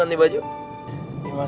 sampai jumpa lagi